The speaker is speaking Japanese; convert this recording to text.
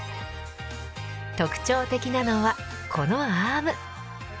特徴的なのはこのアーム。